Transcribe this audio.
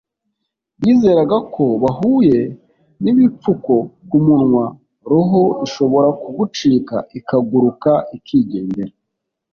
bizeraga ko bahuye ntibipfuko ku munwa roho ishobora kugucika ikaguruka ikigendera